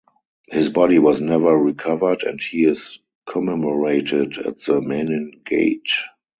His body was never recovered and he is commemorated at the Menin Gate.